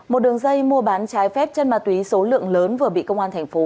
một đường dây mua bán trái phép chân ma túy số lượng lớn vừa bị công an thành phố